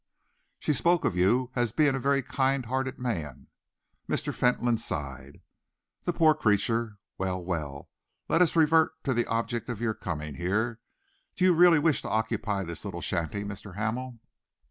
"She spoke of you as being a very kind hearted man." Mr. Fentolin sighed. "The poor creature! Well, well, let us revert to the object of your coming here. Do you really wish to occupy this little shanty, Mr. Hamel?"